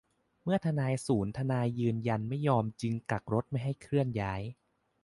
เมื่อทนายศูนย์ทนายยืนยันไม่ยอม จึงกักรถไม่ให้เคลื่อนย้าย